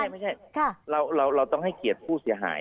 ไม่ใช่เราต้องให้เกียรติผู้เสียหาย